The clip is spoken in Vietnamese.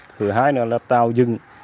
thứ hai là tạo dừng